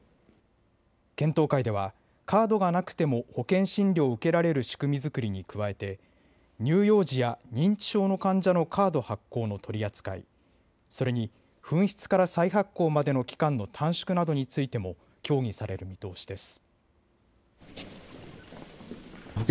検討会ではカードがなくても保険診療を受けられる仕組み作りに加えて乳幼児や認知症の患者のカード発行の取り扱い、それに紛失から再発行までの期間の短縮などについても協議される見通しです。